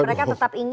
mereka tetap ingin